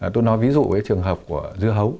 tôi nói ví dụ với trường hợp của dưa hấu